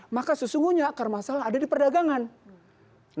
maka sesungguhnya akar masalah ada di perdagangan